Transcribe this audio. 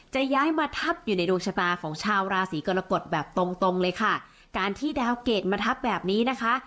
จะย้ายมาทับอยู่ในดวงชะตาของชาวราศีกรกฎแบบตรงตรงเลยค่ะการที่ดาวเกรดมาทับแบบนี้นะคะ